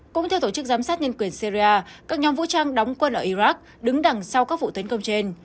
cũng theo tổ chức giám sát nhân quyền syria các nhóm vũ trang đóng quân ở iraq đứng đằng sau các vụ tấn công trên